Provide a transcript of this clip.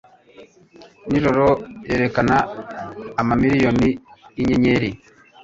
nijoro, yerekana amamiriyoni yinyenyeri